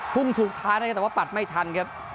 พุ่งถูกท้ายนะครับแต่ว่าปัดไม่ทันครับ